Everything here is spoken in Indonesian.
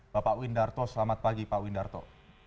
bapak windarto selamat pagi pak windarto